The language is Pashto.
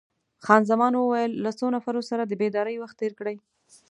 خان زمان وویل: له څو نفرو سره د بېدارۍ وخت تیر کړی؟